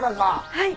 はい。